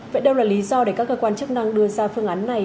vậy đâu là lý do để các cơ quan chức năng đưa ra phương án này